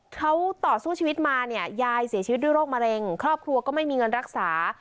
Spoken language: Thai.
เขาต่อสู้ชีวิตมาเนี่ยยายเสียชีวิตด้วยโรคมะเร็งครอบครัวก็ไม่มีเงินรักษา